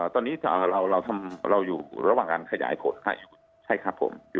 ตอนนี้เราอยู่ระหว่างการขยายผลให้อยู่ใช่ครับผม